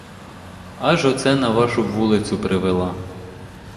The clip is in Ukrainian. Аж оце на вашу вулицю привела.